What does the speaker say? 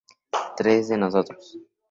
Tres de nosotros.